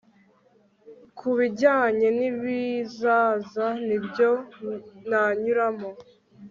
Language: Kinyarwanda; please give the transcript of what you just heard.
kubijyanye n'ibizaza nibyo nanyuramo